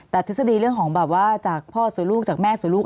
แต่ทฤษฎีเรื่องของแบบว่าจากพ่อสวยลูกจากแม่สวยลูก